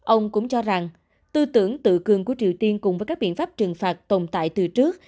ông cũng cho rằng tư tưởng tự cường của triều tiên cùng với các biện pháp trừng phạt tồn tại từ trước